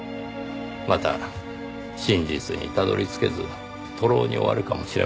また真実にたどり着けず徒労に終わるかもしれませんが。